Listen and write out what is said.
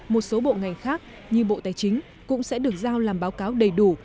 một số bộ ngành khác như bộ tài chính cũng sẽ được giao làm báo cáo đầy đủ